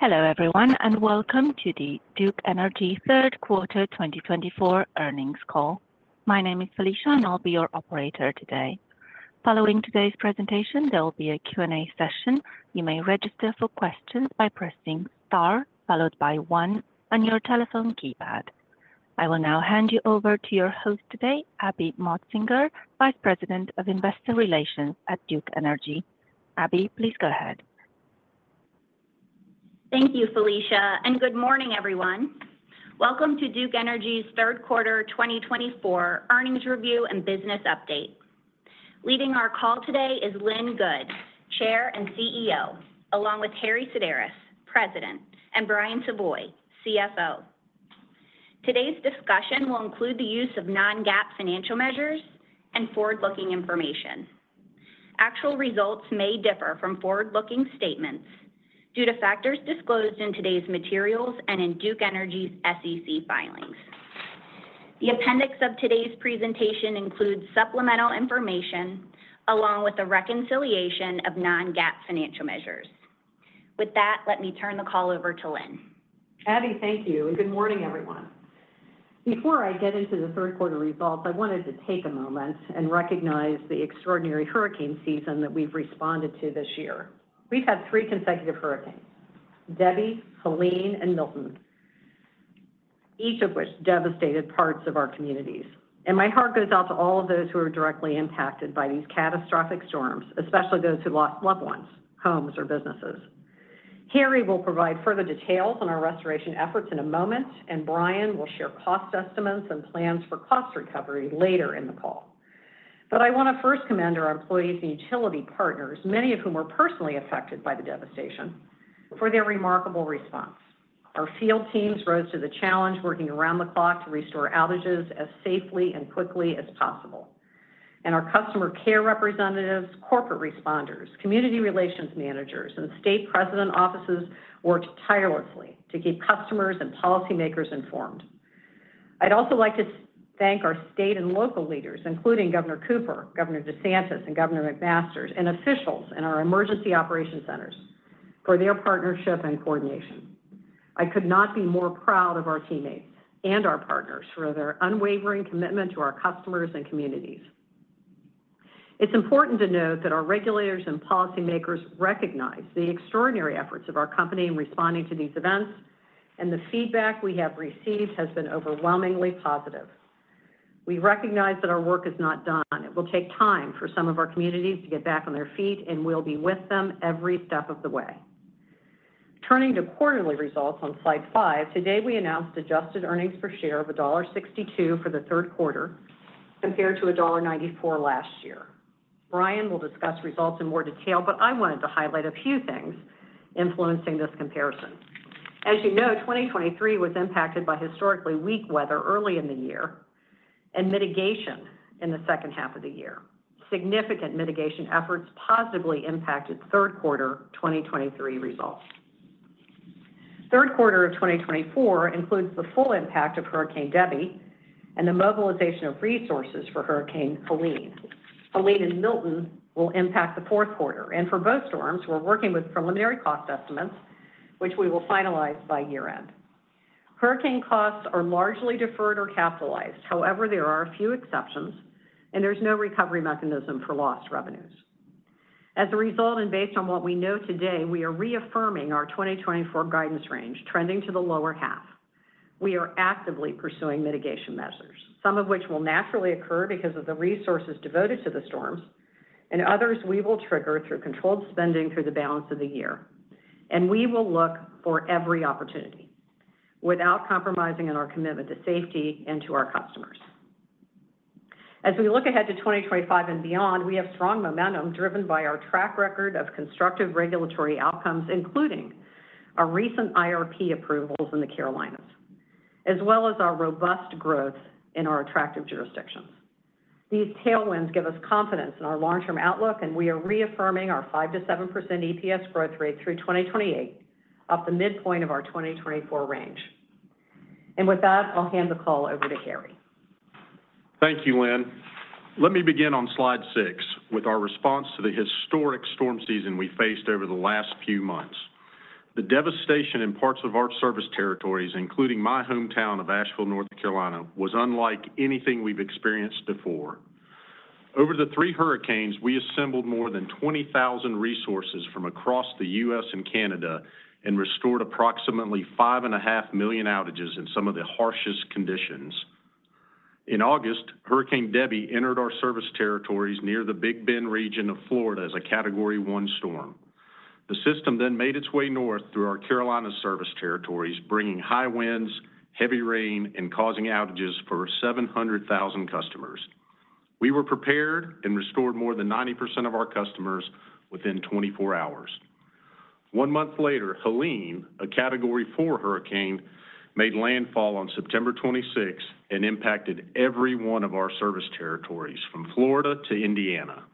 Hello everyone and welcome to the Duke Energy third quarter 2024 earnings call. My name is Felicia and I'll be your operator today. Following today's presentation, there will be a Q&A session. You may register for questions by pressing star followed by one on your telephone keypad. I will now hand you over to your host today, Abby Motsinger, Vice President of Investor Relations at Duke Energy. Abby, please go ahead. Thank you, Felicia, and good morning everyone. Welcome to Duke Energy's third quarter 2024 earnings review and business update. Leading our call today is Lynn Good, Chair and CEO, along with Harry Sideris, President, and Brian Savoy, CFO. Today's discussion will include the use of non-GAAP financial measures and forward-looking information. Actual results may differ from forward-looking statements due to factors disclosed in today's materials and in Duke Energy's SEC filings. The appendix of today's presentation includes supplemental information along with the reconciliation of non-GAAP financial measures. With that, let me turn the call over to Lynn. Abby, thank you, and good morning everyone. Before I get into the third quarter results, I wanted to take a moment and recognize the extraordinary hurricane season that we've responded to this year. We've had three consecutive hurricanes: Debby, Helene, and Milton, each of which devastated parts of our communities. And my heart goes out to all of those who are directly impacted by these catastrophic storms, especially those who lost loved ones, homes, or businesses. Harry will provide further details on our restoration efforts in a moment, and Brian will share cost estimates and plans for cost recovery later in the call. But I want to first commend our employees and utility partners, many of whom were personally affected by the devastation, for their remarkable response. Our field teams rose to the challenge, working around the clock to restore outages as safely and quickly as possible. And our customer care representatives, corporate responders, community relations managers, and state president offices worked tirelessly to keep customers and policymakers informed. I'd also like to thank our state and local leaders, including Governor Cooper, Governor DeSantis, and Governor McMaster, and officials in our emergency operations centers for their partnership and coordination. I could not be more proud of our teammates and our partners for their unwavering commitment to our customers and communities. It's important to note that our regulators and policymakers recognize the extraordinary efforts of our company in responding to these events, and the feedback we have received has been overwhelmingly positive. We recognize that our work is not done. It will take time for some of our communities to get back on their feet, and we'll be with them every step of the way. Turning to quarterly results on slide five, today we announced adjusted earnings per share of $1.62 for the third quarter compared to $1.94 last year. Brian will discuss results in more detail, but I wanted to highlight a few things influencing this comparison. As you know, 2023 was impacted by historically weak weather early in the year and mitigation in the second half of the year. Significant mitigation efforts positively impacted third quarter 2023 results. Third quarter of 2024 includes the full impact of Hurricane Debby and the mobilization of resources for Hurricane Helene. Helene and Milton will impact the fourth quarter, and for both storms, we're working with preliminary cost estimates, which we will finalize by year-end. Hurricane costs are largely deferred or capitalized. However, there are a few exceptions, and there's no recovery mechanism for lost revenues. As a result, and based on what we know today, we are reaffirming our 2024 guidance range, trending to the lower half. We are actively pursuing mitigation measures, some of which will naturally occur because of the resources devoted to the storms, and others we will trigger through controlled spending through the balance of the year, and we will look for every opportunity without compromising on our commitment to safety and to our customers. As we look ahead to 2025 and beyond, we have strong momentum driven by our track record of constructive regulatory outcomes, including our recent IRP approvals in the Carolinas, as well as our robust growth in our attractive jurisdictions. These tailwinds give us confidence in our long-term outlook, and we are reaffirming our 5%-7% EPS growth rate through 2028, up to the midpoint of our 2024 range. With that, I'll hand the call over to Harry. Thank you, Lynn. Let me begin on slide six with our response to the historic storm season we faced over the last few months. The devastation in parts of our service territories, including my hometown of Asheville, North Carolina, was unlike anything we've experienced before. Over the three hurricanes, we assembled more than 20,000 resources from across the U.S. and Canada and restored approximately 5.5 million outages in some of the harshest conditions. In August, Hurricane Debby entered our service territories near the Big Bend region of Florida as a category one storm. The system then made its way north through our Carolina service territories, bringing high winds, heavy rain, and causing outages for 700,000 customers. We were prepared and restored more than 90% of our customers within 24 hours. One month later, Helene, a Category 4 hurricane, made landfall on September 26 and impacted every one of our service territories from Florida to Indiana.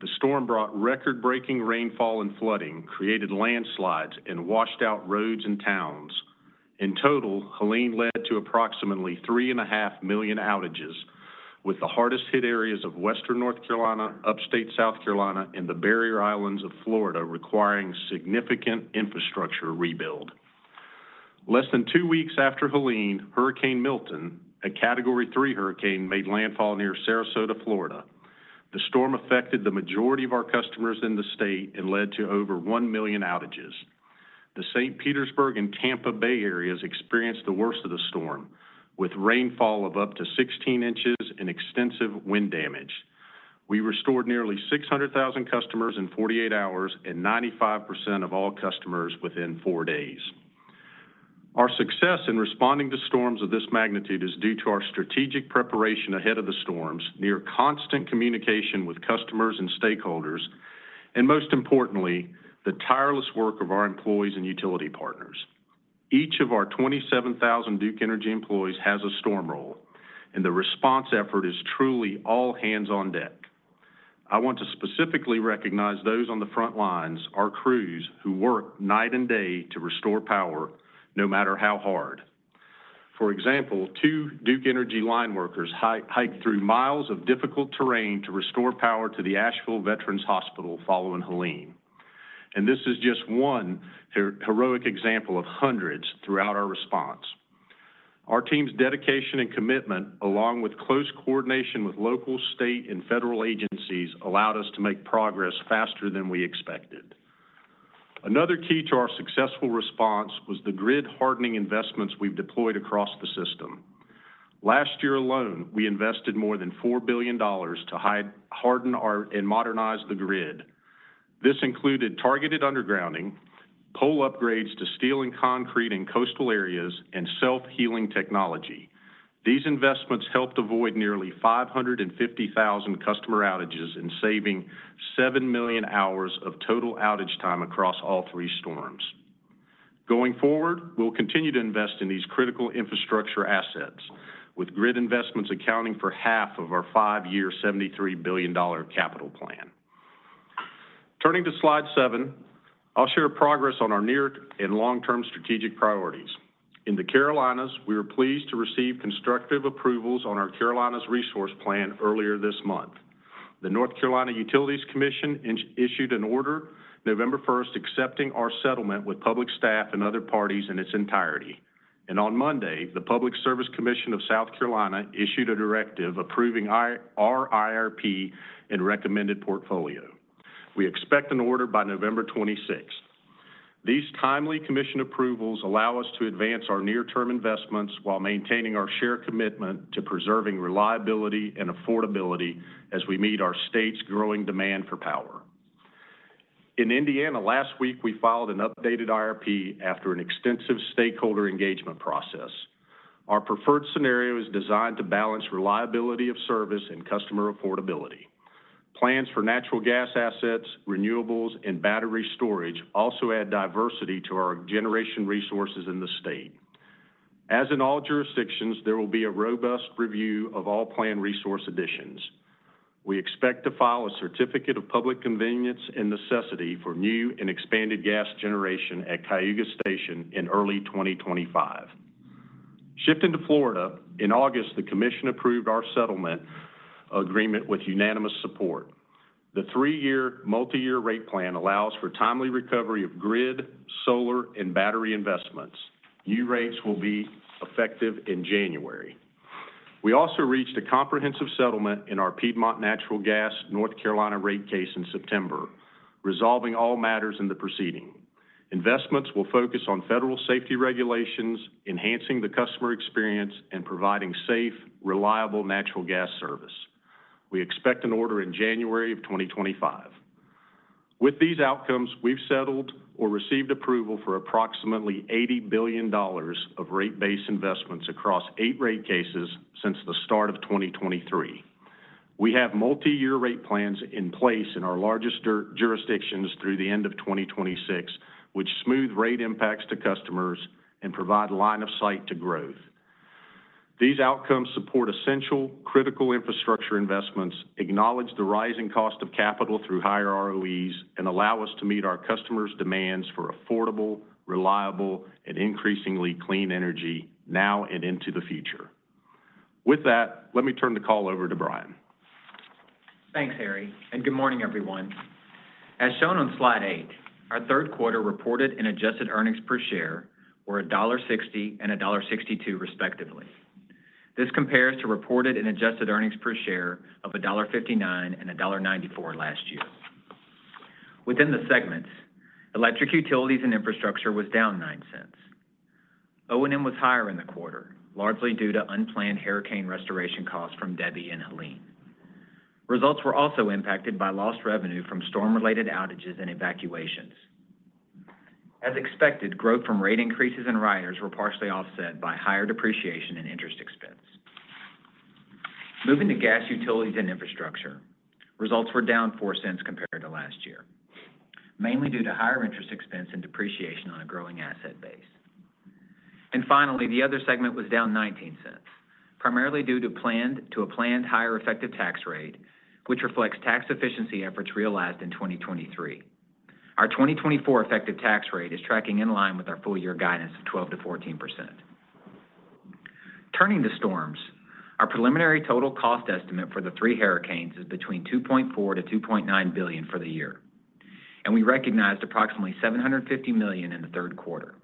The storm brought record-breaking rainfall and flooding, created landslides, and washed out roads and towns. In total, Helene led to approximately 3.5 million outages, with the hardest-hit areas of western North Carolina, upstate South Carolina, and the barrier islands of Florida requiring significant infrastructure rebuild. Less than two weeks after Helene, Hurricane Milton, a Category 3 hurricane, made landfall near Sarasota, Florida. The storm affected the majority of our customers in the state and led to over 1 million outages. The St. Petersburg and Tampa Bay areas experienced the worst of the storm, with rainfall of up to 16 inches and extensive wind damage. We restored nearly 600,000 customers in 48 hours and 95% of all customers within four days. Our success in responding to storms of this magnitude is due to our strategic preparation ahead of the storms, near constant communication with customers and stakeholders, and most importantly, the tireless work of our employees and utility partners. Each of our 27,000 Duke Energy employees has a storm role, and the response effort is truly all hands on deck. I want to specifically recognize those on the front lines, our crews who work night and day to restore power no matter how hard. For example, two Duke Energy line workers hiked through miles of difficult terrain to restore power to the Asheville Veterans Hospital following Helene. And this is just one heroic example of hundreds throughout our response. Our team's dedication and commitment, along with close coordination with local, state, and federal agencies, allowed us to make progress faster than we expected. Another key to our successful response was the grid-hardening investments we've deployed across the system. Last year alone, we invested more than $4 billion to harden and modernize the grid. This included targeted undergrounding, pole upgrades to steel and concrete in coastal areas, and self-healing technology. These investments helped avoid nearly 550,000 customer outages and saving 7 million hours of total outage time across all three storms. Going forward, we'll continue to invest in these critical infrastructure assets, with grid investments accounting for half of our five-year $73 billion capital plan. Turning to slide seven, I'll share progress on our near and long-term strategic priorities. In the Carolinas, we were pleased to receive constructive approvals on our Carolinas Resource Plan earlier this month. The North Carolina Utilities Commission issued an order November 1st accepting our settlement with Public Staff and other parties in its entirety. On Monday, the Public Service Commission of South Carolina issued a directive approving our IRP and recommended portfolio. We expect an order by November 26th. These timely commission approvals allow us to advance our near-term investments while maintaining our shared commitment to preserving reliability and affordability as we meet our state's growing demand for power. In Indiana, last week, we filed an updated IRP after an extensive stakeholder engagement process. Our preferred scenario is designed to balance reliability of service and customer affordability. Plans for natural gas assets, renewables, and battery storage also add diversity to our generation resources in the state. As in all jurisdictions, there will be a robust review of all planned resource additions. We expect to file a certificate of public convenience and necessity for new and expanded gas generation at Cayuga Station in early 2025. Shifting to Florida, in August, the commission approved our settlement agreement with unanimous support. The three-year multi-year rate plan allows for timely recovery of grid, solar, and battery investments. New rates will be effective in January. We also reached a comprehensive settlement in our Piedmont Natural Gas North Carolina rate case in September, resolving all matters in the proceeding. Investments will focus on federal safety regulations, enhancing the customer experience, and providing safe, reliable natural gas service. We expect an order in January of 2025. With these outcomes, we've settled or received approval for approximately $80 billion of rate-based investments across eight rate cases since the start of 2023. We have multi-year rate plans in place in our largest jurisdictions through the end of 2026, which smooth rate impacts to customers and provide line of sight to growth. These outcomes support essential, critical infrastructure investments, acknowledge the rising cost of capital through higher ROEs, and allow us to meet our customers' demands for affordable, reliable, and increasingly clean energy now and into the future. With that, let me turn the call over to Brian. Thanks, Harry. Good morning, everyone. As shown on slide eight, our third quarter reported and adjusted earnings per share were $1.60 and $1.62, respectively. This compares to reported and adjusted earnings per share of $1.59 and $1.94 last year. Within the segments, electric utilities and infrastructure was down $0.09. O&M was higher in the quarter, largely due to unplanned hurricane restoration costs from Debby and Helene. Results were also impacted by lost revenue from storm-related outages and evacuations. As expected, growth from rate increases and riders were partially offset by higher depreciation and interest expense. Moving to gas utilities and infrastructure, results were down $0.04 compared to last year, mainly due to higher interest expense and depreciation on a growing asset base. Finally, the other segment was down $0.19, primarily due to a planned higher effective tax rate, which reflects tax efficiency efforts realized in 2023. Our 2024 effective tax rate is tracking in line with our full-year guidance of 12%-14%. Turning to storms, our preliminary total cost estimate for the three hurricanes is between $2.4 billion-$2.9 billion for the year, and we recognized approximately $750 million in the third quarter.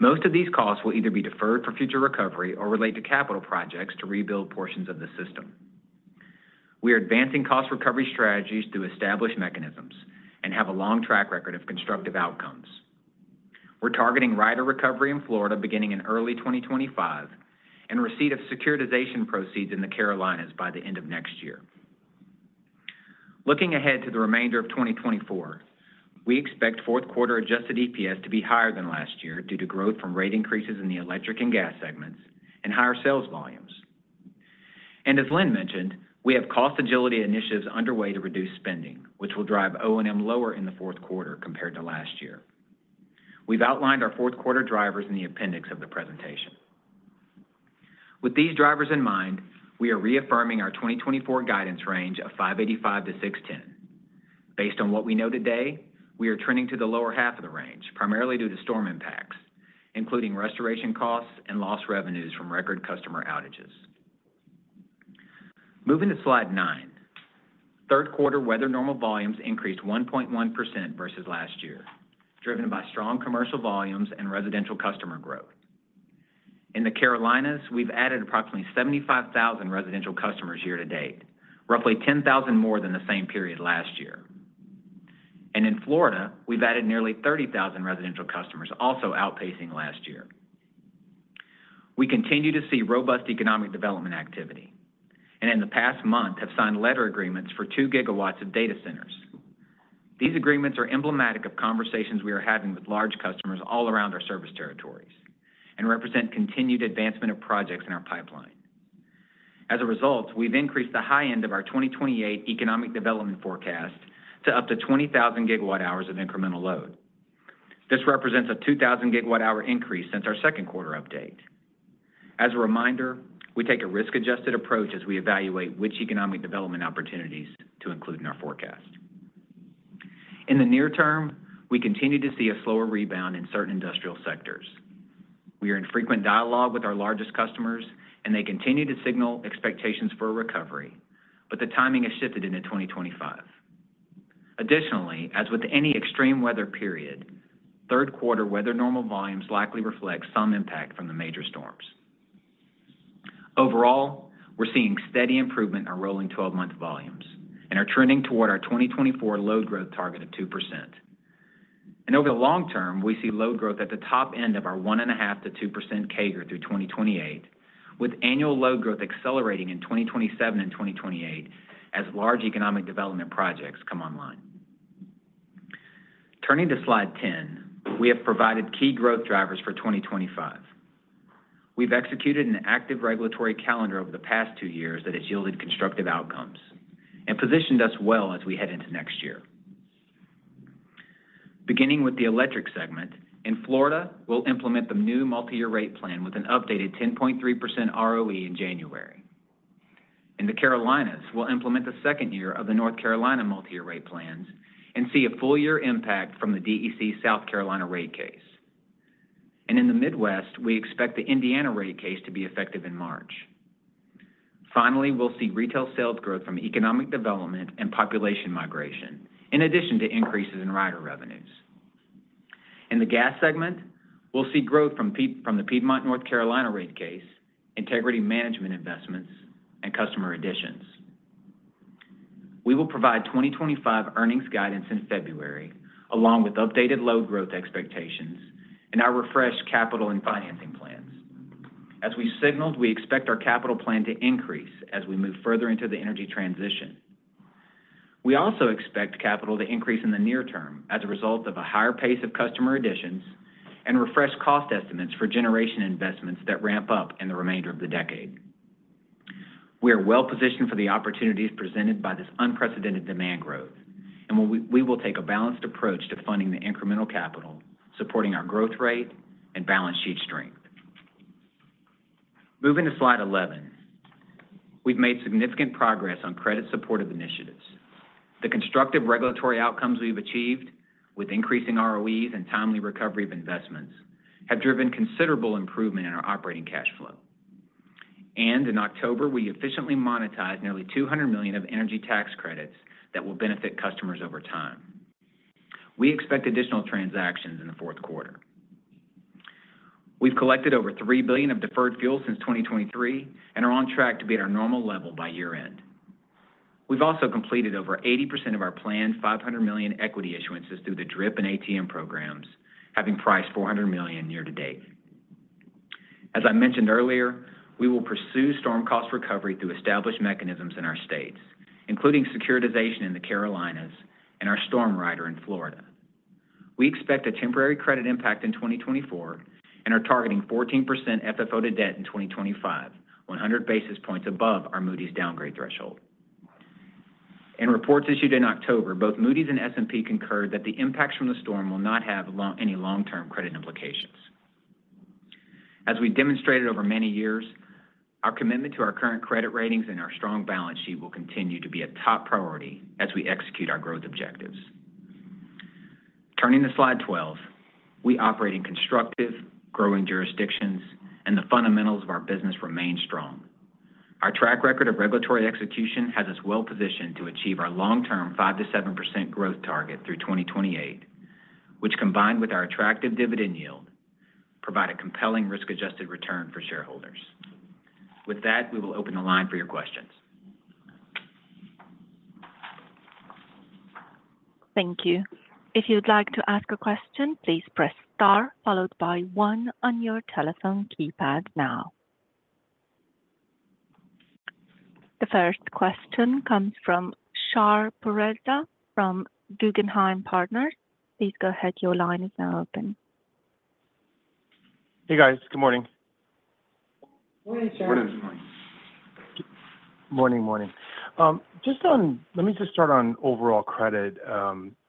Most of these costs will either be deferred for future recovery or relate to capital projects to rebuild portions of the system. We are advancing cost recovery strategies through established mechanisms and have a long track record of constructive outcomes. We're targeting rider recovery in Florida beginning in early 2025 and receipt of securitization proceeds in the Carolinas by the end of next year. Looking ahead to the remainder of 2024, we expect fourth quarter adjusted EPS to be higher than last year due to growth from rate increases in the electric and gas segments and higher sales volumes, and as Lynn mentioned, we have cost agility initiatives underway to reduce spending, which will drive O&M lower in the fourth quarter compared to last year. We've outlined our fourth quarter drivers in the appendix of the presentation. With these drivers in mind, we are reaffirming our 2024 guidance range of $5.85-$6.10. Based on what we know today, we are trending to the lower half of the range, primarily due to storm impacts, including restoration costs and lost revenues from record customer outages. Moving to slide nine, third quarter weather normal volumes increased 1.1% versus last year, driven by strong commercial volumes and residential customer growth. In the Carolinas, we've added approximately 75,000 residential customers year to date, roughly 10,000 more than the same period last year. And in Florida, we've added nearly 30,000 residential customers, also outpacing last year. We continue to see robust economic development activity and in the past month have signed letter agreements for two gigawatts of data centers. These agreements are emblematic of conversations we are having with large customers all around our service territories and represent continued advancement of projects in our pipeline. As a result, we've increased the high end of our 2028 economic development forecast to up to 20,000 gigawatt hours of incremental load. This represents a 2,000 gigawatt hour increase since our second quarter update. As a reminder, we take a risk-adjusted approach as we evaluate which economic development opportunities to include in our forecast. In the near term, we continue to see a slower rebound in certain industrial sectors. We are in frequent dialogue with our largest customers, and they continue to signal expectations for a recovery, but the timing has shifted into 2025. Additionally, as with any extreme weather period, third quarter weather normal volumes likely reflect some impact from the major storms. Overall, we're seeing steady improvement in our rolling 12-month volumes and are trending toward our 2024 load growth target of 2%. Over the long term, we see load growth at the top end of our 1.5%-2% CAGR through 2028, with annual load growth accelerating in 2027 and 2028 as large economic development projects come online. Turning to slide 10, we have provided key growth drivers for 2025. We've executed an active regulatory calendar over the past two years that has yielded constructive outcomes and positioned us well as we head into next year. Beginning with the electric segment, in Florida, we'll implement the new multi-year rate plan with an updated 10.3% ROE in January. In the Carolinas, we'll implement the second year of the North Carolina multi-year rate plans and see a full-year impact from the DEC South Carolina rate case. And in the Midwest, we expect the Indiana rate case to be effective in March. Finally, we'll see retail sales growth from economic development and population migration, in addition to increases in rider revenues. In the gas segment, we'll see growth from the Piedmont North Carolina rate case, integrity management investments, and customer additions. We will provide 2025 earnings guidance in February, along with updated load growth expectations and our refreshed capital and financing plans. As we signaled, we expect our capital plan to increase as we move further into the energy transition. We also expect capital to increase in the near term as a result of a higher pace of customer additions and refreshed cost estimates for generation investments that ramp up in the remainder of the decade. We are well positioned for the opportunities presented by this unprecedented demand growth, and we will take a balanced approach to funding the incremental capital, supporting our growth rate and balance sheet strength. Moving to slide 11, we've made significant progress on credit-supportive initiatives. The constructive regulatory outcomes we've achieved, with increasing ROEs and timely recovery of investments, have driven considerable improvement in our operating cash flow. And in October, we efficiently monetized nearly $200 million of energy tax credits that will benefit customers over time. We expect additional transactions in the fourth quarter. We've collected over $3 billion of deferred fuel since 2023 and are on track to be at our normal level by year-end. We've also completed over 80% of our planned $500 million equity issuances through the DRIP and ATM programs, having priced $400 million year to date. As I mentioned earlier, we will pursue storm cost recovery through established mechanisms in our states, including securitization in the Carolinas and our storm rider in Florida. We expect a temporary credit impact in 2024 and are targeting 14% FFO to debt in 2025, 100 basis points above our Moody's downgrade threshold. In reports issued in October, both Moody's and S&P concurred that the impacts from the storm will not have any long-term credit implications. As we demonstrated over many years, our commitment to our current credit ratings and our strong balance sheet will continue to be a top priority as we execute our growth objectives. Turning to slide 12, we operate in constructive, growing jurisdictions, and the fundamentals of our business remain strong. Our track record of regulatory execution has us well positioned to achieve our long-term 5%-7% growth target through 2028, which, combined with our attractive dividend yield, provide a compelling risk-adjusted return for shareholders. With that, we will open the line for your questions. Thank you. If you'd like to ask a question, please press star followed by one on your telephone keypad now. The first question comes from Shar Pourreza from Guggenheim Partners. Please go ahead. Your line is now open. Hey, guys. Good morning. Morning, Shar. Morning, morning. Just on, let me just start on overall credit.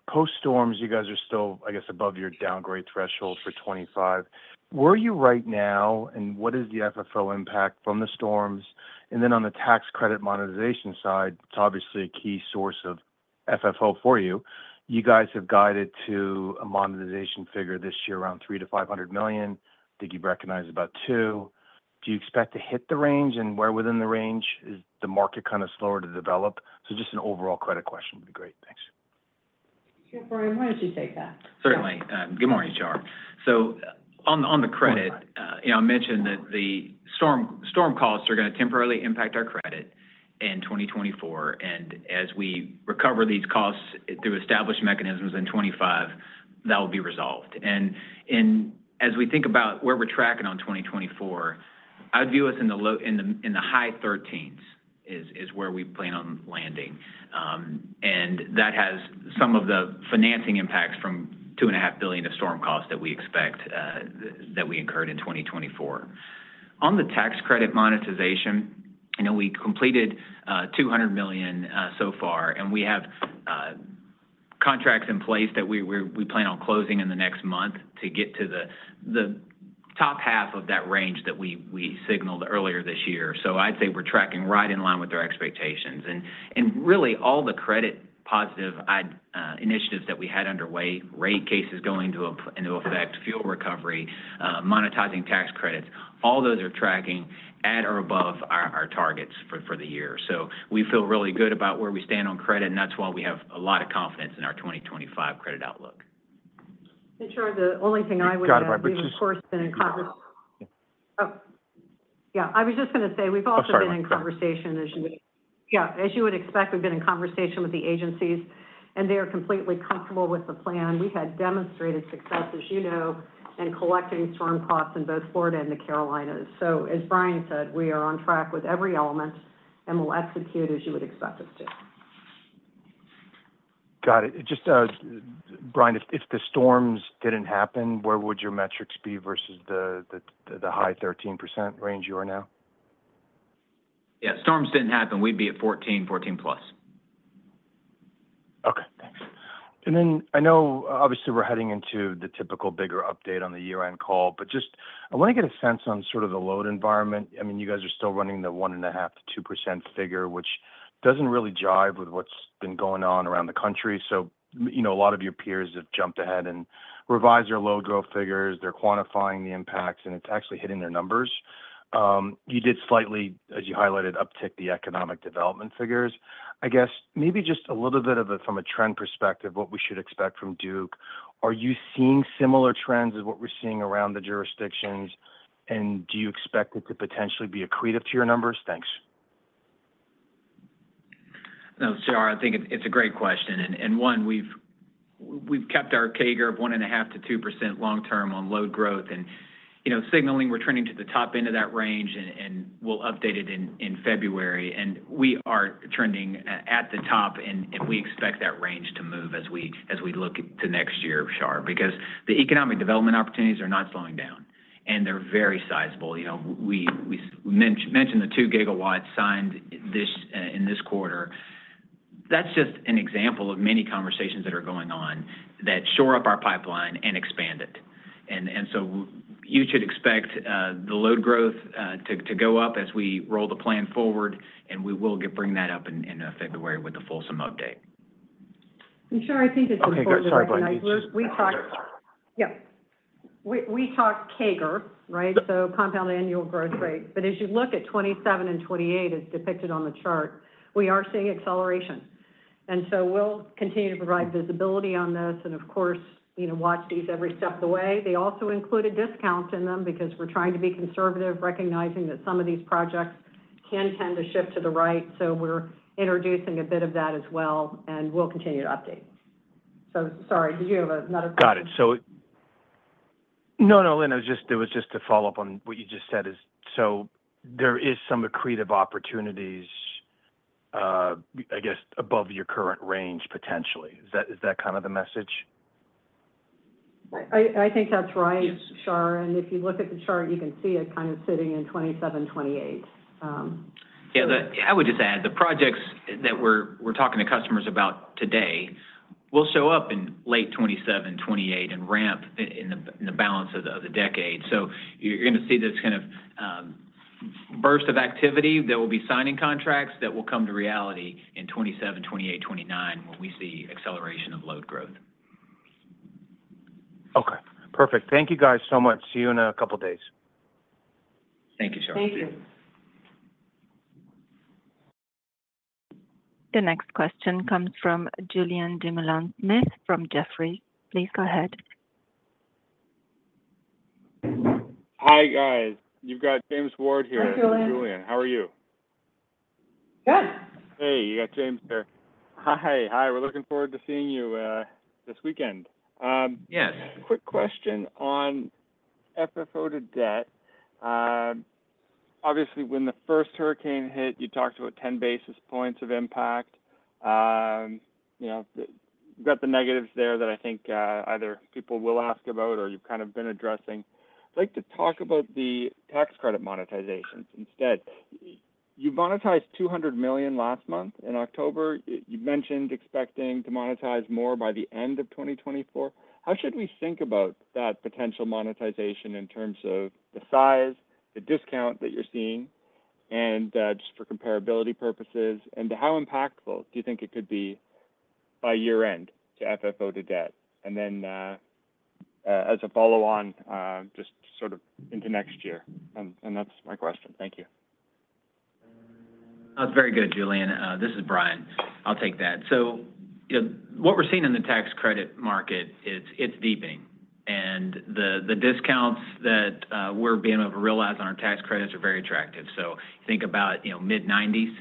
Post-storms, you guys are still, I guess, above your downgrade threshold for 25. Where are you right now, and what is the FFO impact from the storms? And then on the tax credit monetization side, it's obviously a key source of FFO for you. You guys have guided to a monetization figure this year around $300 million-$500 million. Did you recognize about $200 million? Do you expect to hit the range and where within the range is the market kind of slower to develop? So just an overall credit question would be great. Thanks. Jeff, Brian, why don't you take that? Certainly. Good morning, Shar. So on the credit, I mentioned that the storm costs are going to temporarily impact our credit in 2024. And as we recover these costs through established mechanisms in 2025, that will be resolved. And as we think about where we're tracking on 2024, I view us in the high 13s is where we plan on landing. And that has some of the financing impacts from $2.5 billion of storm costs that we expect that we incurred in 2024. On the tax credit monetization, I know we completed $200 million so far, and we have contracts in place that we plan on closing in the next month to get to the top half of that range that we signaled earlier this year. So I'd say we're tracking right in line with our expectations. And really, all the credit-positive initiatives that we had underway, rate cases going into effect, fuel recovery, monetizing tax credits, all those are tracking at or above our targets for the year. So we feel really good about where we stand on credit, and that's why we have a lot of confidence in our 2025 credit outlook. Hey, Shar, the only thing I would say. John, if I've been just. Oh, yeah. I was just going to say we've also been in conversation. I'm sorry. Yeah. As you would expect, we've been in conversation with the agencies, and they are completely comfortable with the plan. We've had demonstrated success, as you know, in collecting storm costs in both Florida and the Carolinas. So as Brian said, we are on track with every element, and we'll execute as you would expect us to. Got it. Just, Brian, if the storms didn't happen, where would your metrics be versus the high 13% range you are now? Yeah. Storms didn't happen, we'd be at 14, 14-plus. Okay. Thanks. And then I know, obviously, we're heading into the typical bigger update on the year-end call, but just I want to get a sense on sort of the load environment. I mean, you guys are still running the 1.5%-2% figure, which doesn't really jive with what's been going on around the country. So a lot of your peers have jumped ahead and revised their load growth figures. They're quantifying the impacts, and it's actually hitting their numbers. You did slightly, as you highlighted, uptick the economic development figures. I guess maybe just a little bit of it from a trend perspective, what we should expect from Duke. Are you seeing similar trends as what we're seeing around the jurisdictions, and do you expect it to potentially be accretive to your numbers? Thanks. No, Shar, I think it's a great question. And one, we've kept our CAGR of 1.5%-2% long-term on load growth and signaling we're trending to the top end of that range, and we'll update it in February. And we are trending at the top, and we expect that range to move as we look to next year, Shar, because the economic development opportunities are not slowing down, and they're very sizable. We mentioned the two gigawatts signed in this quarter. That's just an example of many conversations that are going on that shore up our pipeline and expand it. And so you should expect the load growth to go up as we roll the plan forward, and we will bring that up in February with the fulsome update. Shar, I think it's important. Okay. Sorry, Brian. We talked CAGR, right? So compound annual growth rate. But as you look at 2027 and 2028, as depicted on the chart, we are seeing acceleration. And so we'll continue to provide visibility on this and, of course, watch these every step of the way. They also include a discount in them because we're trying to be conservative, recognizing that some of these projects can tend to shift to the right. So we're introducing a bit of that as well, and we'll continue to update. So sorry, did you have another question? Got it. So no, no, Lynn, it was just to follow up on what you just said is so there is some accretive opportunities, I guess, above your current range, potentially. Is that kind of the message? I think that's right, Shar. And if you look at the chart, you can see it kind of sitting in 2027, 2028. Yeah. I would just add the projects that we're talking to customers about today will show up in late 2027, 2028 and ramp in the balance of the decade. So you're going to see this kind of burst of activity that will be signing contracts that will come to reality in 2027, 2028, 2029 when we see acceleration of load growth. Okay. Perfect. Thank you guys so much. See you in a couple of days. Thank you, Shar. Thank you. The next question comes from Julien Dumoulin-Smith from Jefferies. Please go ahead. Hi, guys. You've got James Ward here. Hi, Julian. Julien. How are you? Good. Hey. You got James here. Hi. Hi. We're looking forward to seeing you this weekend. Yes. Quick question on FFO to debt. Obviously, when the first hurricane hit, you talked about 10 basis points of impact. You've got the negatives there that I think either people will ask about or you've kind of been addressing. I'd like to talk about the tax credit monetizations instead. You monetized $200 million last month in October. You mentioned expecting to monetize more by the end of 2024. How should we think about that potential monetization in terms of the size, the discount that you're seeing, and just for comparability purposes, and how impactful do you think it could be by year-end to FFO to debt, and then as a follow-on, just sort of into next year, and that's my question. Thank you. That's very good, Julian. This is Brian. I'll take that. So what we're seeing in the tax credit market, it's deepening. And the discounts that we're being able to realize on our tax credits are very attractive. So think about mid-90s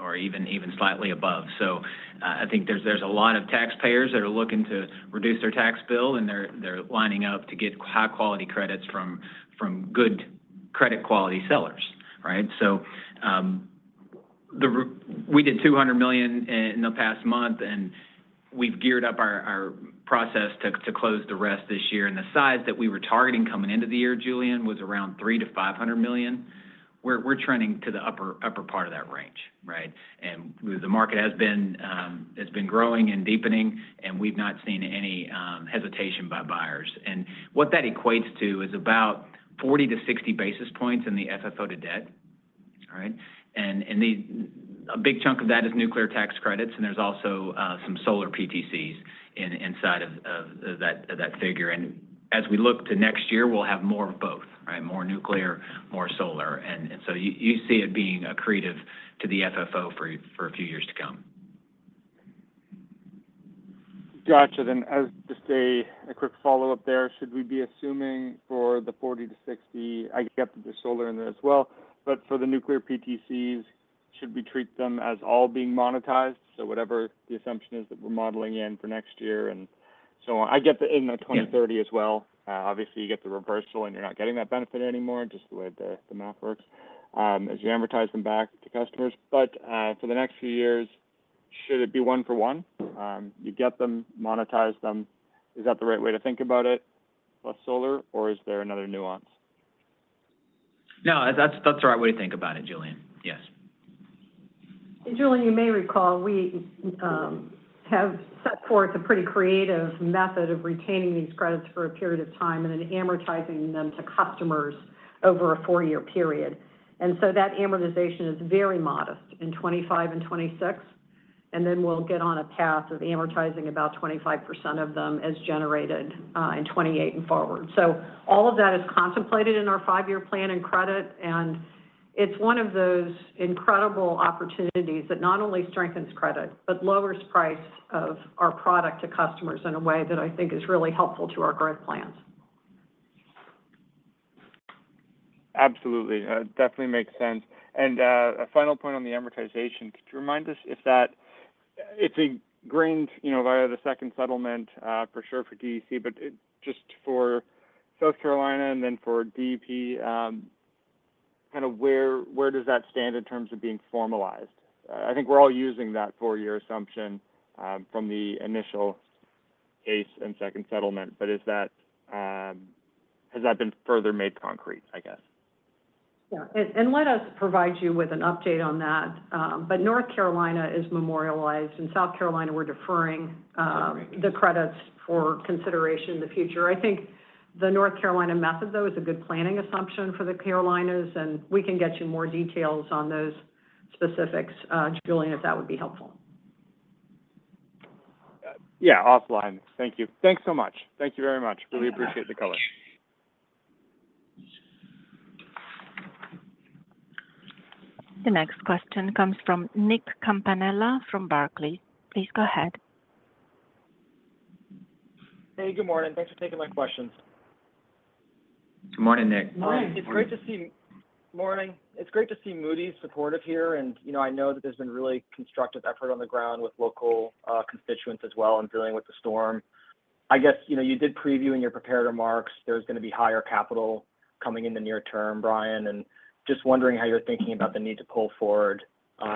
or even slightly above. So I think there's a lot of taxpayers that are looking to reduce their tax bill, and they're lining up to get high-quality credits from good credit-quality sellers, right? So we did $200 million in the past month, and we've geared up our process to close the rest this year. And the size that we were targeting coming into the year, Julian, was around $300 million-$500 million. We're trending to the upper part of that range, right? And the market has been growing and deepening, and we've not seen any hesitation by buyers. And what that equates to is about 40-60 basis points in the FFO to debt, all right? And a big chunk of that is nuclear tax credits, and there's also some solar PTCs inside of that figure. And as we look to next year, we'll have more of both, right? More nuclear, more solar. And so you see it being accretive to the FFO for a few years to come. Gotcha. Then just a quick follow-up there. Should we be assuming for the 40-60, I get that there's solar in there as well, but for the nuclear PTCs, should we treat them as all being monetized? So whatever the assumption is that we're modeling in for next year and so on. I get that in the 2030 as well. Obviously, you get the reversal, and you're not getting that benefit anymore, just the way the math works, as you amortize them back to customers. But for the next few years, should it be one for one? You get them, monetize them. Is that the right way to think about it, plus solar, or is there another nuance? No, that's the right way to think about it, Julien. Yes. Julien, you may recall we have set forth a pretty creative method of retaining these credits for a period of time and then amortizing them to customers over a four-year period. And so that amortization is very modest in 2025 and 2026. And then we'll get on a path of amortizing about 25% of them as generated in 2028 and forward. So all of that is contemplated in our five-year plan and credit. And it's one of those incredible opportunities that not only strengthens credit but lowers the price of our product to customers in a way that I think is really helpful to our growth plans. Absolutely. Definitely makes sense, and a final point on the amortization. Could you remind us if that's ingrained via the second settlement for sure for DEC, but just for South Carolina and then for DEP, kind of where does that stand in terms of being formalized? I think we're all using that four-year assumption from the initial case and second settlement, but has that been further made concrete, I guess? Yeah. And let us provide you with an update on that. But North Carolina is memorialized, and South Carolina, we're deferring the credits for consideration in the future. I think the North Carolina method, though, is a good planning assumption for the Carolinas, and we can get you more details on those specifics, Julian, if that would be helpful. Yeah. Offline. Thank you. Thanks so much. Thank you very much. Really appreciate the color. The next question comes from Nick Campanella from Barclays. Please go ahead. Hey, good morning. Thanks for taking my questions. Good morning, Nick. Morning. It's great to see Moody's supportive here. I know that there's been really constructive effort on the ground with local constituents as well in dealing with the storm. I guess you did preview in your prepared remarks there's going to be higher capital coming in the near term, Brian, and just wondering how you're thinking about the need to pull forward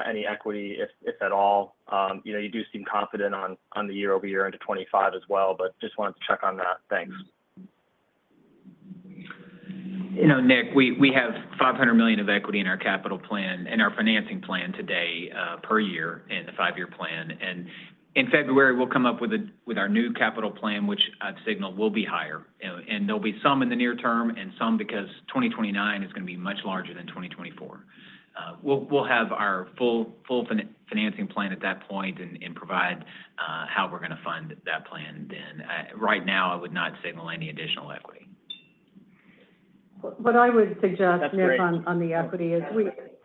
any equity, if at all. You do seem confident on the year-over-year into 2025 as well, but just wanted to check on that. Thanks. Nick, we have $500 million of equity in our capital plan and our financing plan today per year in the five-year plan. And in February, we'll come up with our new capital plan, which I've signaled will be higher. And there'll be some in the near term and some because 2029 is going to be much larger than 2024. We'll have our full financing plan at that point and provide how we're going to fund that plan then. Right now, I would not signal any additional equity. What I would suggest, Nick, on the equity is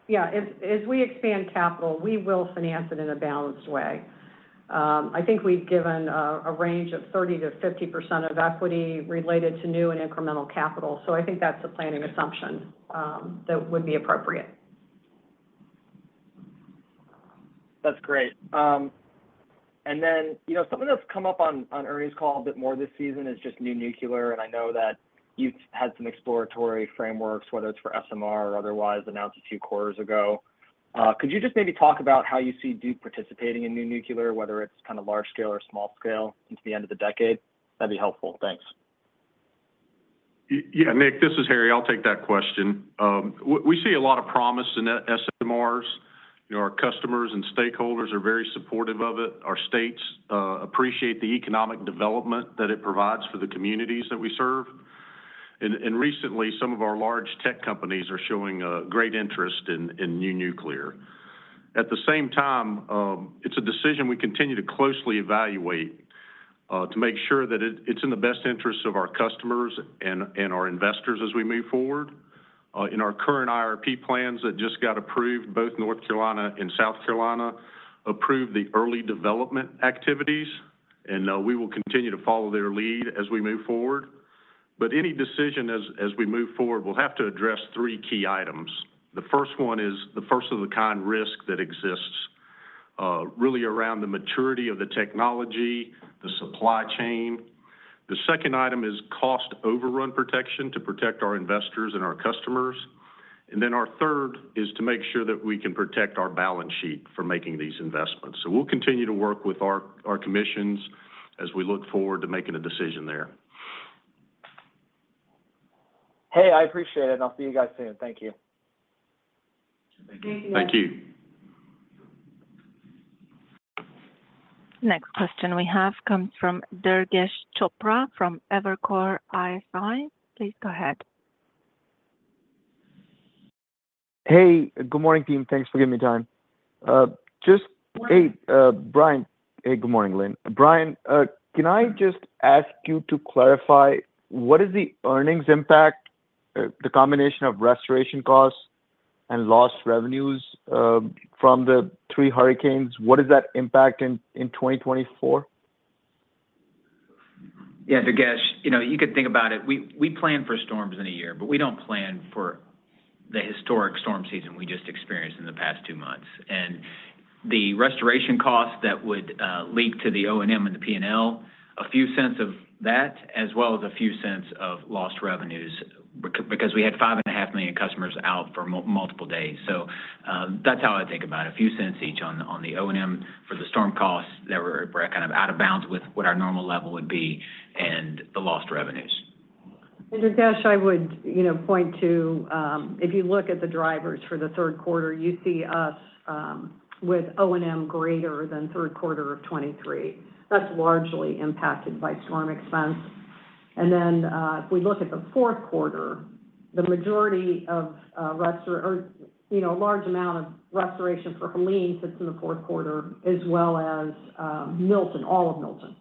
yeah, as we expand capital, we will finance it in a balanced way. I think we've given a range of 30%-50% of equity related to new and incremental capital. So I think that's a planning assumption that would be appropriate. That's great. And then something that's come up on earnings call a bit more this season is just new nuclear. And I know that you've had some exploratory frameworks, whether it's for SMR or otherwise, announced a few quarters ago. Could you just maybe talk about how you see Duke participating in new nuclear, whether it's kind of large scale or small scale into the end of the decade? That'd be helpful. Thanks. Yeah. Nick, this is Harry. I'll take that question. We see a lot of promise in SMRs. Our customers and stakeholders are very supportive of it. Our states appreciate the economic development that it provides for the communities that we serve. And recently, some of our large tech companies are showing great interest in new nuclear. At the same time, it's a decision we continue to closely evaluate to make sure that it's in the best interests of our customers and our investors as we move forward. In our current IRP plans that just got approved, both North Carolina and South Carolina approved the early development activities, and we will continue to follow their lead as we move forward. But any decision as we move forward, we'll have to address three key items. The first one is the first-of-a-kind risk that exists really around the maturity of the technology, the supply chain. The second item is cost overrun protection to protect our investors and our customers, and then our third is to make sure that we can protect our balance sheet for making these investments, so we'll continue to work with our commissions as we look forward to making a decision there. Hey, I appreciate it, and I'll see you guys soon. Thank you. Thank you. Thank you. Next question we have comes from Durgesh Chopra from Evercore ISI. Please go ahead. Hey, good morning, team. Thanks for giving me time. Just hey, Brian. Hey, good morning, Lynn. Brian, can I just ask you to clarify what is the earnings impact, the combination of restoration costs and lost revenues from the three hurricanes? What is that impact in 2024? Yeah. Durgesh, you could think about it. We plan for storms in a year, but we don't plan for the historic storm season we just experienced in the past two months, and the restoration costs that would lead to the O&M and the P&L, a few cents of that, as well as a few cents of lost revenues because we had 5.5 million customers out for multiple days, so that's how I think about it. A few cents each on the O&M for the storm costs that were kind of out of bounds with what our normal level would be and the lost revenues. And, Durgesh, I would point to if you look at the drivers for the third quarter. You see us with O&M greater than third quarter of 2023. That's largely impacted by storm expense. And then if we look at the fourth quarter, the majority of restoration or a large amount of restoration for Helene sits in the fourth quarter, as well as Milton, all of Milton.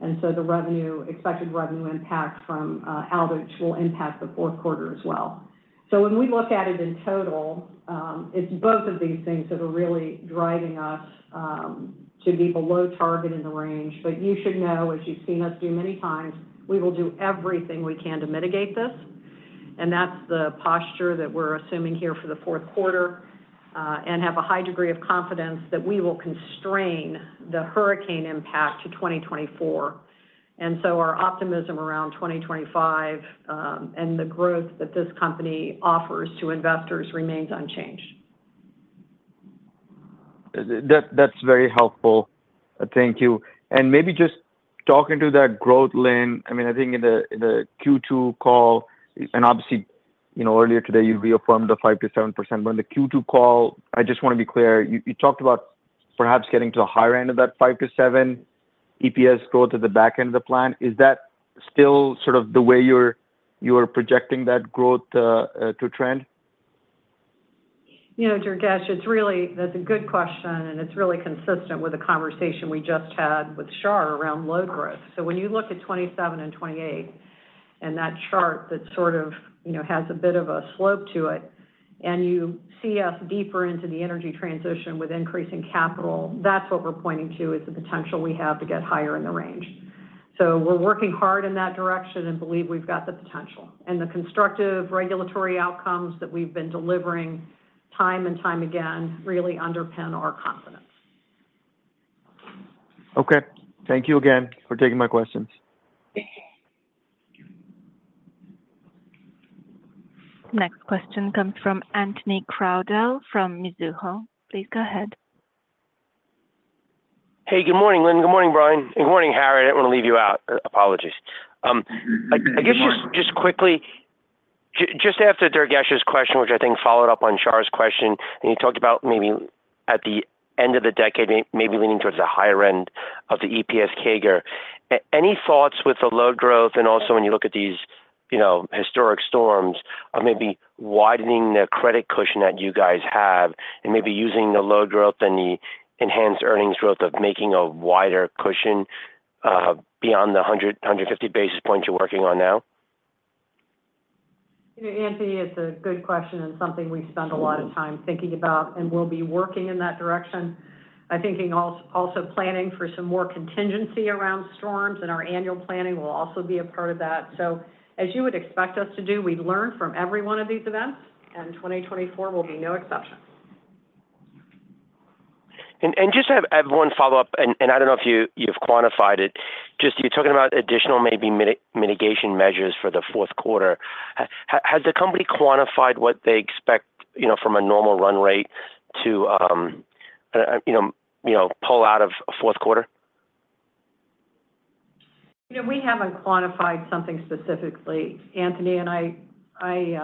And so the expected revenue impact from Aldridge will impact the fourth quarter as well. So when we look at it in total, it's both of these things that are really driving us to be below target in the range. But you should know, as you've seen us do many times, we will do everything we can to mitigate this. And that's the posture that we're assuming here for the fourth quarter and have a high degree of confidence that we will constrain the hurricane impact to 2024. And so our optimism around 2025 and the growth that this company offers to investors remains unchanged. That's very helpful. Thank you. And maybe just talking to that growth, Lynn, I mean, I think in the Q2 call, and obviously, earlier today, you reaffirmed the 5%-7%. But in the Q2 call, I just want to be clear, you talked about perhaps getting to the higher end of that 5%-7% EPS growth at the back end of the plan. Is that still sort of the way you're projecting that growth to trend? Durgesh, that's a good question, and it's really consistent with the conversation we just had with Shar around load growth. So when you look at 2027 and 2028 and that chart that sort of has a bit of a slope to it, and you see us deeper into the energy transition with increasing capital, that's what we're pointing to is the potential we have to get higher in the range. So we're working hard in that direction and believe we've got the potential. And the constructive regulatory outcomes that we've been delivering time and time again really underpin our confidence. Okay. Thank you again for taking my questions. Thank you. Next question comes from Anthony Crowdell from Mizuho. Please go ahead. Hey, good morning, Lynn. Good morning, Brian. And good morning, Harry. I didn't want to leave you out. Apologies. I guess just quickly, just after Durgesh's question, which I think followed up on Shar's question, and you talked about maybe at the end of the decade, maybe leaning towards the higher end of the EPS CAGR. Any thoughts with the load growth and also when you look at these historic storms of maybe widening the credit cushion that you guys have and maybe using the load growth and the enhanced earnings growth of making a wider cushion beyond the 100-150 basis points you're working on now? Anthony, it's a good question and something we spend a lot of time thinking about and will be working in that direction. I think also planning for some more contingency around storms and our annual planning will also be a part of that. So as you would expect us to do, we learn from every one of these events, and 2024 will be no exception. And just have one follow-up, and I don't know if you've quantified it. Just you're talking about additional maybe mitigation measures for the fourth quarter. Has the company quantified what they expect from a normal run rate to pull out of a fourth quarter? We haven't quantified something specifically. Anthony and I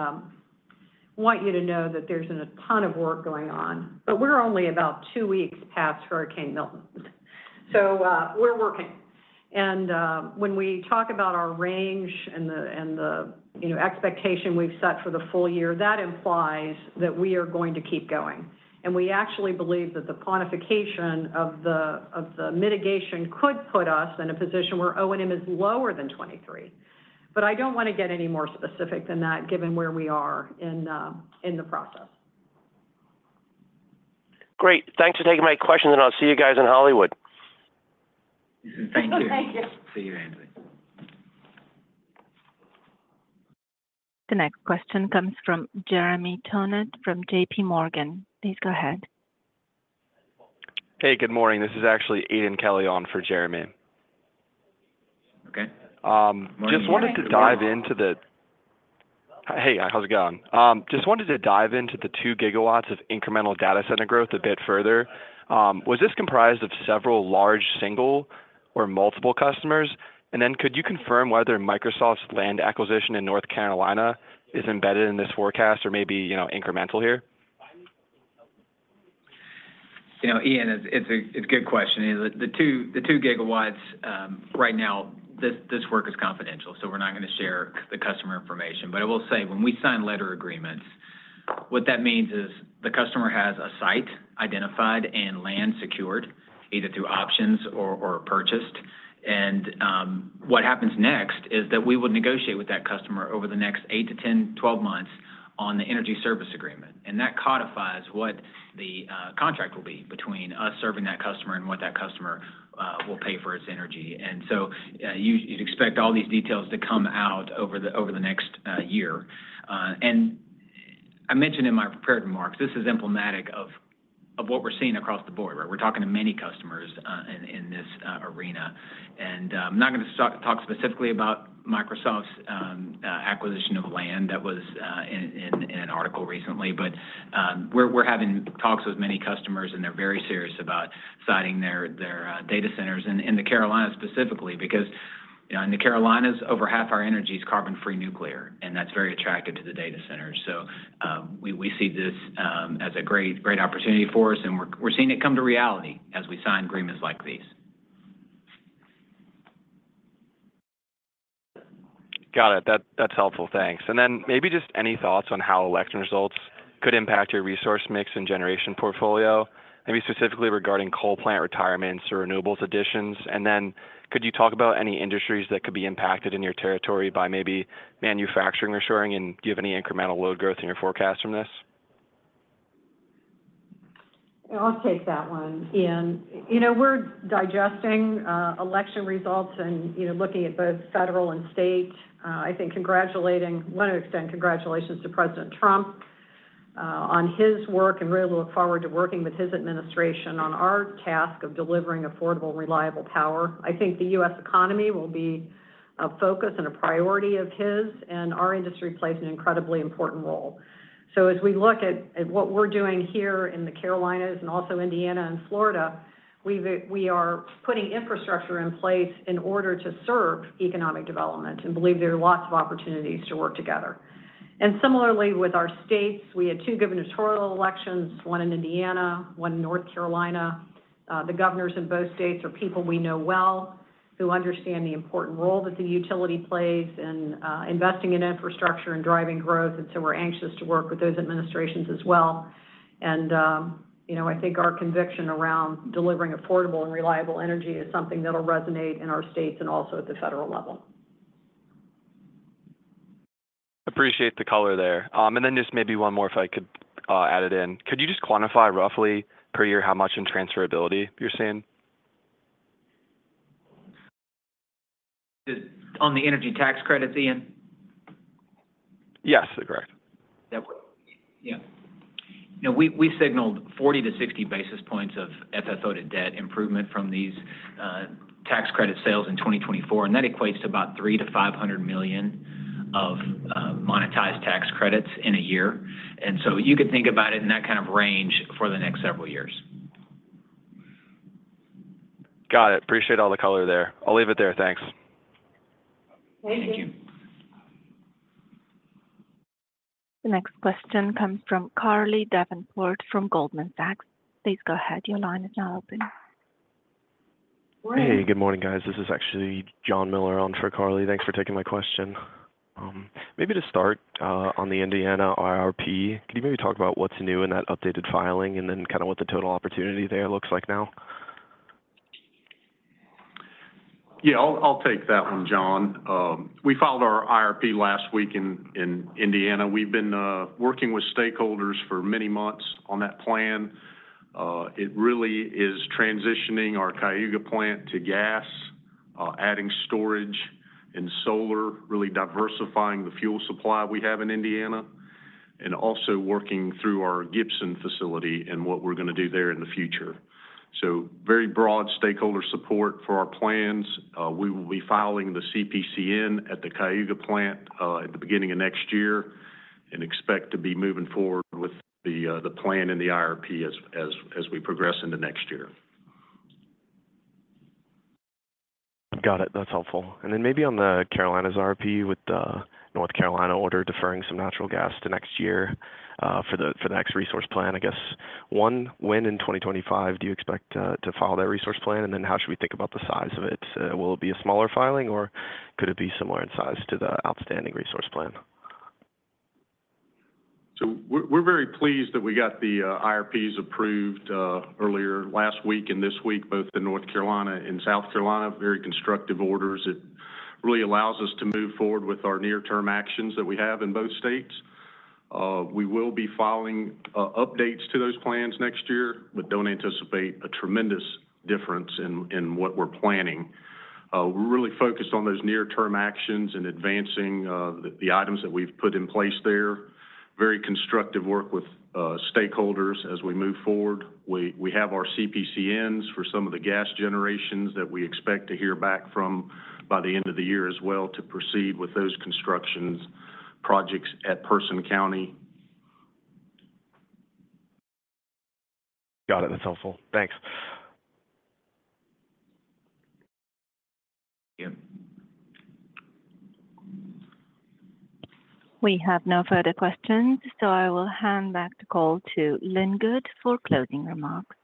want you to know that there's a ton of work going on, but we're only about two weeks past Hurricane Milton. So we're working. And when we talk about our range and the expectation we've set for the full year, that implies that we are going to keep going. And we actually believe that the quantification of the mitigation could put us in a position where O&M is lower than 2023. But I don't want to get any more specific than that given where we are in the process. Great. Thanks for taking my questions, and I'll see you guys in Hollywood. Thank you. Thank you. See you, Anthony. The next question comes from Jeremy Tonet from JPMorgan. Please go ahead. Hey, good morning. This is actually Aidan Kelly on for Jeremy. Okay. Hey, how's it going? Just wanted to dive into the two gigawatts of incremental data center growth a bit further. Was this comprised of several large single or multiple customers? And then could you confirm whether Microsoft's land acquisition in North Carolina is embedded in this forecast or maybe incremental here? Ian, it's a good question. The two gigawatts right now, this work is confidential, so we're not going to share the customer information. But I will say when we sign letter agreements, what that means is the customer has a site identified and land secured either through options or purchased. And what happens next is that we would negotiate with that customer over the next 8 to 10, 12 months on the energy service agreement. And that codifies what the contract will be between us serving that customer and what that customer will pay for its energy. And so you'd expect all these details to come out over the next year. And I mentioned in my prepared remarks, this is emblematic of what we're seeing across the board, right? We're talking to many customers in this arena. And I'm not going to talk specifically about Microsoft's acquisition of land that was in an article recently, but we're having talks with many customers, and they're very serious about siting their data centers in the Carolinas specifically because in the Carolinas, over half our energy is carbon-free nuclear, and that's very attractive to the data centers. So we see this as a great opportunity for us, and we're seeing it come to reality as we sign agreements like these. Got it. That's helpful. Thanks. And then maybe just any thoughts on how election results could impact your resource mix and generation portfolio, maybe specifically regarding coal plant retirements or renewables additions? And then could you talk about any industries that could be impacted in your territory by maybe manufacturing or shoring? And do you have any incremental load growth in your forecast from this? I'll take that one, Ian. We're digesting election results and looking at both federal and state. I think, to one extent, congratulations to President Trump on his work and really look forward to working with his administration on our task of delivering affordable, reliable power. I think the U.S. economy will be a focus and a priority of his, and our industry plays an incredibly important role. So as we look at what we're doing here in the Carolinas and also Indiana and Florida, we are putting infrastructure in place in order to serve economic development and believe there are lots of opportunities to work together. And similarly, with our states, we had two gubernatorial elections, one in Indiana, one in North Carolina. The governors in both states are people we know well who understand the important role that the utility plays in investing in infrastructure and driving growth. So we're anxious to work with those administrations as well. I think our conviction around delivering affordable and reliable energy is something that will resonate in our states and also at the federal level. Appreciate the color there. And then just maybe one more if I could add it in. Could you just quantify roughly per year how much in transferability you're seeing? On the energy tax credits, Ian? Yes, correct. Yeah. We signaled 40 basis point-60 basis points of FFO to debt improvement from these tax credit sales in 2024, and that equates to about $300 million-$500 million of monetized tax credits in a year. And so you could think about it in that kind of range for the next several years. Got it. Appreciate all the color there. I'll leave it there. Thanks. Thank you. The next question comes from Carly Davenport from Goldman Sachs. Please go ahead. Your line is now open. Hey, good morning, guys. This is actually John Miller on for Carly. Thanks for taking my question. Maybe to start on the Indiana IRP, could you maybe talk about what's new in that updated filing and then kind of what the total opportunity there looks like now? Yeah, I'll take that one, John. We filed our IRP last week in Indiana. We've been working with stakeholders for many months on that plan. It really is transitioning our Cayuga plant to gas, adding storage and solar, really diversifying the fuel supply we have in Indiana, and also working through our Gibson facility and what we're going to do there in the future. So very broad stakeholder support for our plans. We will be filing the CPCN at the Cayuga plant at the beginning of next year and expect to be moving forward with the plan and the IRP as we progress into next year. Got it. That's helpful. And then maybe on the Carolinas IRP with the North Carolina order deferring some natural gas to next year for the next resource plan, I guess. One, when in 2025 do you expect to file that resource plan? And then how should we think about the size of it? Will it be a smaller filing, or could it be similar in size to the outstanding resource plan? We're very pleased that we got the IRPs approved earlier last week and this week, both in North Carolina and South Carolina. Very constructive orders. It really allows us to move forward with our near-term actions that we have in both states. We will be filing updates to those plans next year, but don't anticipate a tremendous difference in what we're planning. We're really focused on those near-term actions and advancing the items that we've put in place there. Very constructive work with stakeholders as we move forward. We have our CPCNs for some of the gas generations that we expect to hear back from by the end of the year as well to proceed with those construction projects at Person County. Got it. That's helpful. Thanks. Yep. We have no further questions, so I will hand back the call to Lynn Good for closing remarks.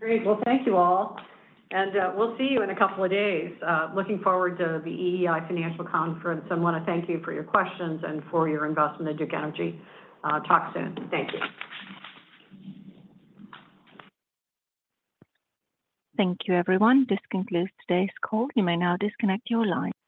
Great. Well, thank you all. And we'll see you in a couple of days. Looking forward to the EEI Financial Conference. I want to thank you for your questions and for your investment in Duke Energy. Talk soon. Thank you. Thank you, everyone. This concludes today's call. You may now disconnect your line.